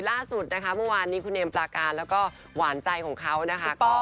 ล่าสุดนะคะเมื่อวานนี้คุณเอมปลาการแล้วก็หวานใจของเขานะคะ